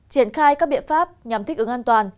triển khai các biện pháp nhằm thích ứng an toàn